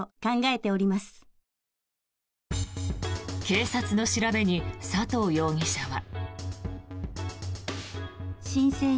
警察の調べに佐藤容疑者は。